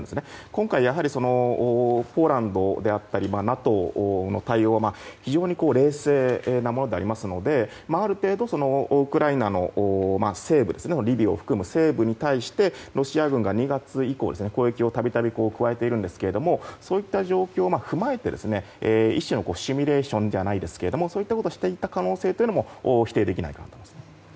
今回、ポーランドであったりＮＡＴＯの対応が非常に冷静なものでありますのである程度、ウクライナの西部リビウを含む西部に対してロシア軍が２月以降攻撃を度々加えているんですけれどもそういった状況を踏まえて一種のシミュレーションじゃないですけれどもそういったことをしていた可能性も否定できないです。